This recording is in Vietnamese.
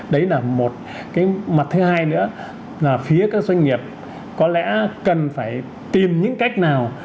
đấy là một cái mặt thứ hai nữa là phía các doanh nghiệp có lẽ cần phải tìm những cách nào